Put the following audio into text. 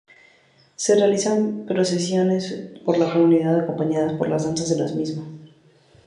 Se realizan procesiones por la comunidad acompañadas por las danzas de la misma.